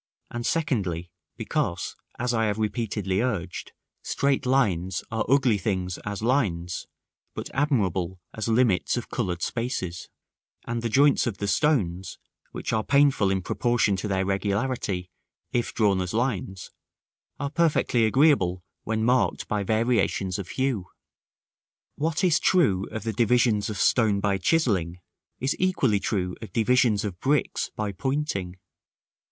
And, secondly, because, as I have repeatedly urged, straight lines are ugly things as lines, but admirable as limits of colored spaces; and the joints of the stones, which are painful in proportion to their regularity, if drawn as lines, are perfectly agreeable when marked by variations of hue. § IV. What is true of the divisions of stone by chiselling, is equally true of divisions of bricks by pointing.